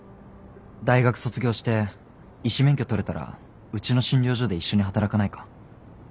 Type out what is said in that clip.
大学卒業して医師免許取れたらうちの診療所で一緒に働かないか？